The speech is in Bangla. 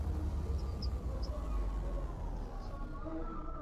নিজের জন্মস্থান লাহোরে ঘুরতে এসে নিজ বাড়িতে ঘুমন্ত অবস্থায় মৃত্যুবরণ করেন তিনি।